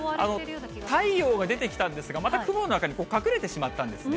太陽が出てきたんですが、また雲の中に隠れてしまったんですね。